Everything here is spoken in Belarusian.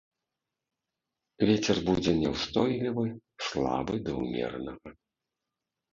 Вецер будзе няўстойлівы слабы да ўмеранага.